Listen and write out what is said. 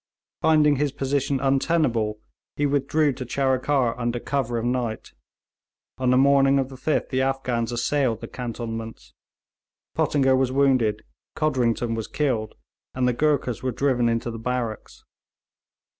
Finding his position untenable, he withdrew to Charikar under cover of night. On the morning of the 5th the Afghans assailed the cantonments. Pottinger was wounded, Codrington was killed, and the Goorkhas were driven into the barracks.